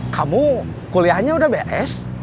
kamu kuliahnya udah bs